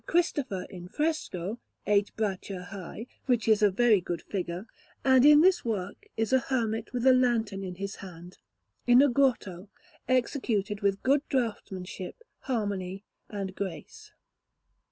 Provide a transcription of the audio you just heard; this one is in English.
Christopher in fresco, eight braccia high, which is a very good figure; and in this work is a hermit with a lantern in his hand, in a grotto, executed with good draughtsmanship, harmony, and grace.